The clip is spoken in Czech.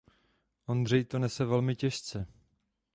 Ondřej to nese velmi těžce.